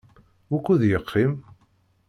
Wukud yeqqim?